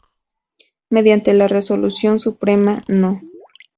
Mediante la Resolución Suprema No.